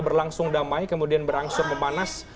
berlangsung damai kemudian berangsur memanas